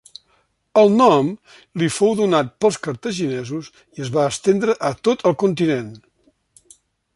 El nom li fou donat pels cartaginesos i es va estendre a tot el continent.